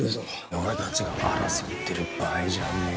俺たちが争ってる場合じゃねえ。